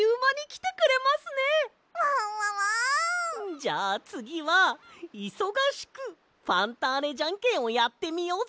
じゃあつぎはいそがしくファンターネジャンケンをやってみようぜ！